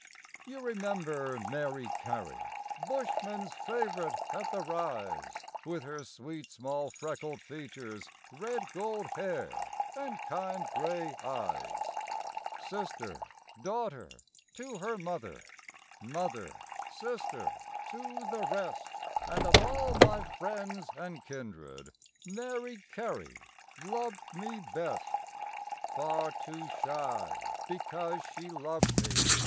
You remember Mary Carey, Bushmen's favourite at The Rise? With her sweet small freckled features, Red gold hair, and kind grey eyes ; Sister, daughter, to her mother, Mother, sister, to the rest And of all my friends and kindred Mary Carey loved me best. 100 THE SHAKEDOWN ON THE FLOOR Far too shy, because she loved me.